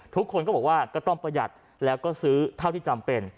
ทุกคนก็บอกว่าก็ต้องประหยัดแล้วก็ซื้อเท่าที่จำเป็น